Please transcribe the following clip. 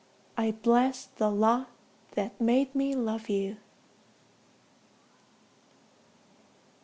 I bless the lot that made me love you.